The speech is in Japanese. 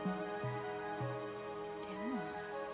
でも。